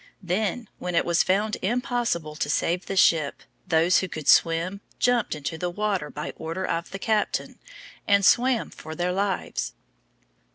Then, when it was found impossible to save the ship, those who could swim jumped into the water by order of the captain, and swam for their lives.